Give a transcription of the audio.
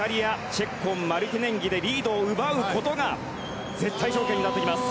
チェッコンマルティネンギでリードを奪うことが絶対条件になっています。